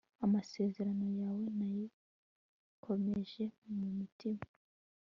amasezerano yawe nayikomeje mu mutima